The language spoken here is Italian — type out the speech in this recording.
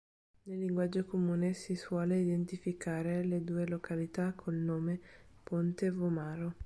Nel linguaggio comune si suole identificare le due località col nome "Ponte Vomano".